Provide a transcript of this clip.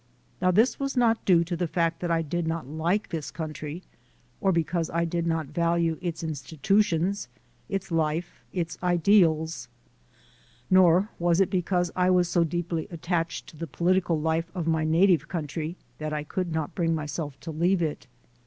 Now this was not due to the fact that I did not like this country, or be cause I did not value its institutions, its life, its ideals. Nor was it because I was so deeply attached to the political life of my native country that I could not bring myself to leave it.